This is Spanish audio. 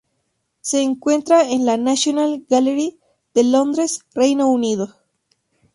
Se encuentra en la National Gallery de Londres, Reino Unido.